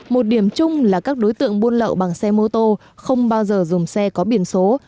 một điểm chung là các đối tượng buôn lậu bằng xe mô tô không bao giờ dùng xe có biển số